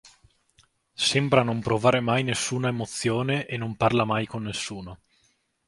Sembra non provare mai nessuna emozione e non parla mai con nessuno.